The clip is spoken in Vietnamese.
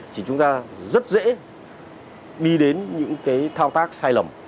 thì chúng ta rất dễ đi đến những cái thao tác sai lầm